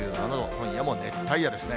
今夜も熱帯夜ですね。